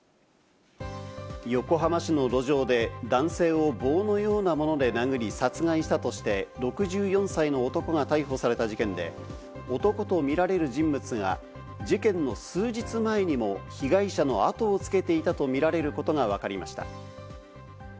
横浜市の路上で男性を棒のようなもので殴り、殺害したとして、６４歳の男が逮捕された事件で、男とみられる人物が事件の数日前にも被害者の後をつけていたとみられることがわかりました。